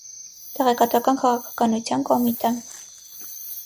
Տեղեկատվական քաղաքականության կոմիտե։